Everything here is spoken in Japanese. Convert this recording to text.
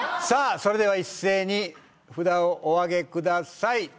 さあそれでは一斉に札をおあげください